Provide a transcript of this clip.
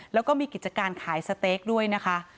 แล้วก็มีกิจการขายสเต๊กด้วยนะคะ